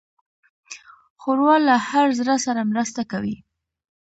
ښوروا له هر زړه سره مرسته کوي.